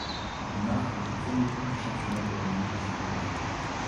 Il marque le tout premier but du championnat de Hongrie de football.